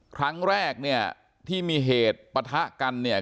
ครั้งแรกเนี่ยที่มีเหตุปะทะกันเนี่ย